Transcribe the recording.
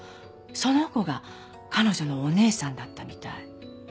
その子が彼女のお姉さんだったみたい。